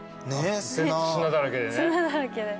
砂だらけでね。